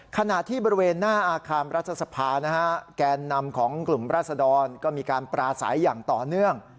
ขณะที่บริเวณหน้าอาคารรัฐสภานะฮะแกนนำของกลุ่มราศดรก็มีการปราศัยอย่างต่อเนื่อง